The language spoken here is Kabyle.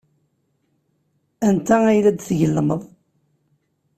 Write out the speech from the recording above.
Anta ay la d-tgellmed?